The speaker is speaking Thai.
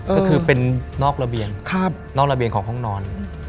ก็คือเป็นนอกระเบียงของห้องนอน